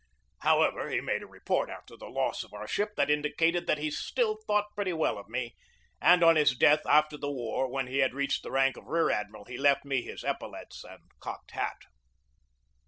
However, he made a report after the loss of our ship that indicated that he still thought pretty well of me ; and on his death after the war, when he had reached the rank of rear admiral, he left me his epaulets and cocked hat.